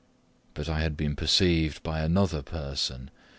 But I had been perceived by another person.